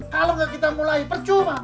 kalau nggak kita mulai percuma